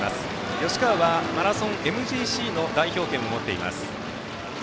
吉川はマラソンＭＧＣの代表権を持っています。